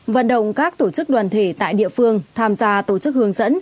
hai mươi vận động các tổ chức đoàn thể tại địa phương tham gia tổ chức hướng dẫn